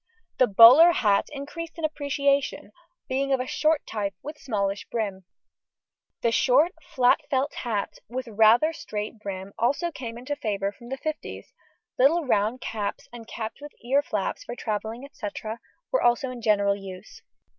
The bowler hat increased in appreciation, being of a short type, with smallish brim. A short flat felt hat, with rather straight brim, also came into favour from the fifties; little round caps and caps with ear flaps, for travelling, &c., were also in general use.